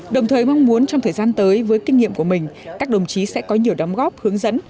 đồng thời mong muốn trong thời gian tới với kinh nghiệm của mình các đồng chí sẽ có nhiều đóng góp hướng dẫn